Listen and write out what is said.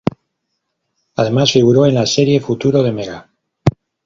Además figuró en la serie "Futuro", de Mega.